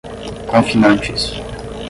confinantes